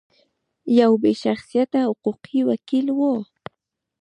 یو بې شخصیته حقوقي وکیل و.